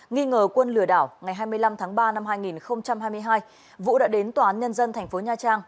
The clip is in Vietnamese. nghi ngờ quân lừa đảo ngày hai mươi năm tháng ba năm hai nghìn hai mươi hai vũ đã đến toán nhân dân thành phố nha trang